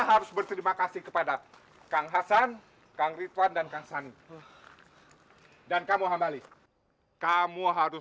harus berterima kasih kepada kang hasan kang ridwan dan kasan dan kamu hampir kamu harus